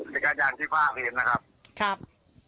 ศิกาจังที่ป้าเข่มนะครับช่าป